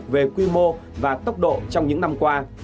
về quy mô và tốc độ trong những năm qua